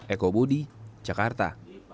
eko budi jakarta